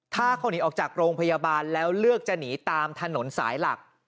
ถ้าเขาหนีออกจากโรงพยาบาลแล้วเลือกจะหนีตามถนนสายหลัก